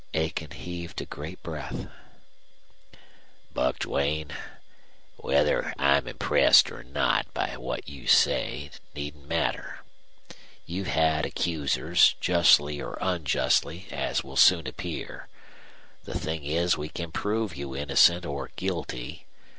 Aiken heaved a great breath. "Buck Duane, whether I'm impressed or not by what you say needn't matter. You've had accusers, justly or unjustly, as will soon appear. The thing is we can prove you innocent or guilty.